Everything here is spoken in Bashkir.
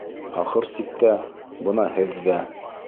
Ахыр сиктә, бына һеҙ ҙә!